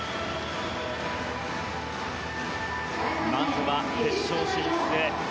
まずは決勝進出へ。